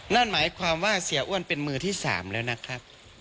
นั่นหมายความว่าเสียอ้วนเป็นมือที่๓แล้วนะครับ